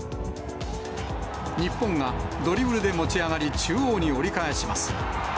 日本がドリブルで持ち上がり、中央に折り返します。